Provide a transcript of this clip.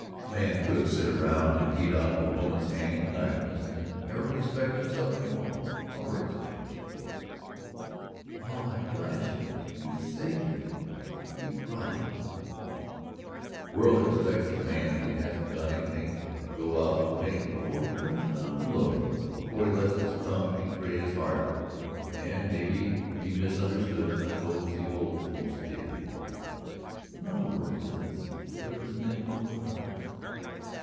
"A man couldn't sit around and eat out of a woman's hand in idleness and ever respect himself any more. My work's finished " "All I've got is yours you saved it to me, you brought it home." "The world expects a man that hasn't got anything to go out and make it before he turns around and looks before he lets his tongue betray his heart and maybe be misunderstood by those he holds most dear." "It's none of the world's business there isn't any world but ours!"